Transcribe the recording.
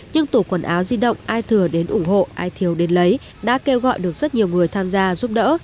nhưng tủ quần áo di động ai thừa đến ủng hộ ai thiếu đến lấy đã kêu gọi được rất nhiều người tham gia giúp đỡ